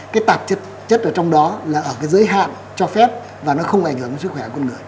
cái tạp chất ở trong đó là ở cái giới hạn cho phép và nó không ảnh hưởng đến sức khỏe con người